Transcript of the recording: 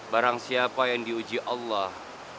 barang siapa yang diuji allah